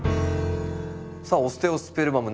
さあオステオスペルマム